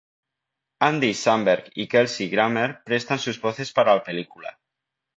Andy Samberg y Kelsey Grammer prestan sus voces para la película.